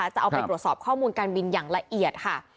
จะเอาไปตรวจสอบข้อมูลการบินอย่างละเอียดค่ะ